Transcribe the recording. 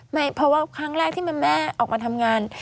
เพราะว่าครั้งแรกที่แม่ออกมาทำงาน